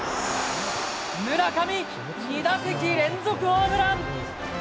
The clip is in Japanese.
村上、２打席連続ホームラン。